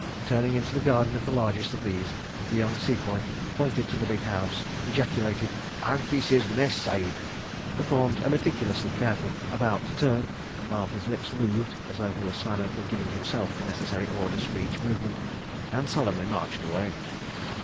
Turning into the garden of the largest of these, the young Sepoy pointed to the big house, ejaculated: "Arfeecers' Mess, Sahib," saluted, performed a meticulously careful "about turn," the while his lips moved as though he were silently giving himself the necessary orders for each movement, and solemnly marched away.